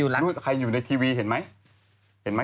ลูกนู้นใครอยู่ในทีวีเห็นไหม